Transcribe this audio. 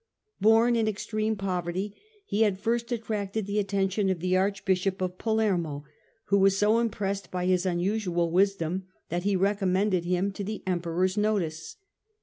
Born in extreme poverty, he had first attracted the attention of the Archbishop of Palermo, who was so impressed by his unusual wisdom that he recommended him to the Em peror's notice.